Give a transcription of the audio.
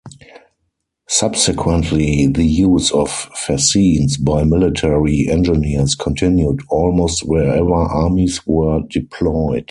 Subsequently, the use of fascines by military engineers continued almost wherever armies were deployed.